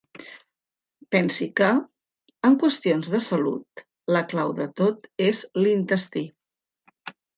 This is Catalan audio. Pensi que, en qüestions de salut, la clau de tot és l'intestí.